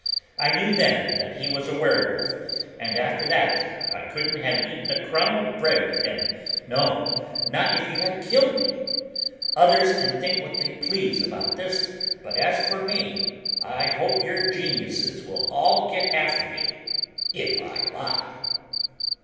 I knew then that he was a werewolf, and after that, I couldn't have eaten a crumb of bread with him, no, not if you had killed me. Others can think what they please about this, but as for me, I hope your geniuses will all get after me if I lie."